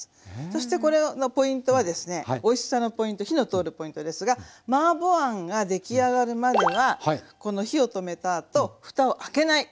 そしてこれのポイントはですねおいしさのポイント火の通るポイントですがマーボーあんができ上がるまではこの火を止めたあとふたを開けない。